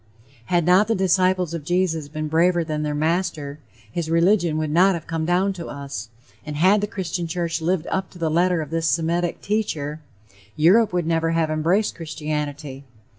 Had not the disciples of Jesus been braver than their master, his religion would not have come down to us. And had the Christian church lived up to the letter of this Semitic teacher, Europe would never have embraced Christianity.